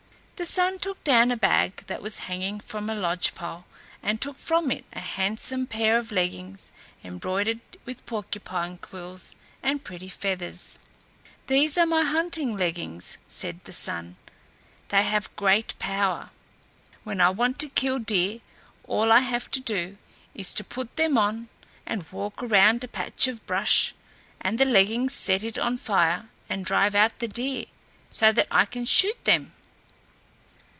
The Sun took down a bag, that was hanging from a lodge pole and took from it a handsome pair of leggings, embroidered with porcupine quills and pretty feathers. "These are my hunting leggings," said the Sun; "they have great power. When I want to kill deer, all I have to do is to put them on and walk around a patch of brush, and the leggings set it on fire and drive out the deer, so that I can shoot them."